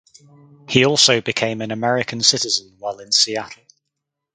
He also became an American citizen while in Seattle.